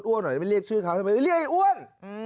อ้วนหน่อยไม่เรียกชื่อเขาเรียกไอ้อ้วน